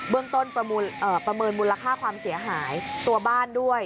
เรื่องต้นประเมินมูลค่าความเสียหายตัวบ้านด้วย